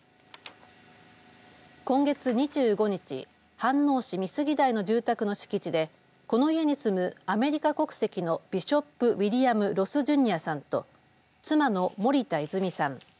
今月２５日飯能市美杉台の住宅の敷地でこの家に住む、アメリカ国籍のビショップ・ウィリアム・ロス・ジュニアさんと妻の森田泉さん